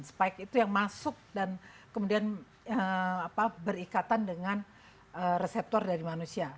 spike itu yang masuk dan kemudian berikatan dengan reseptor dari manusia